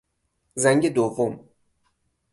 زنگ دوم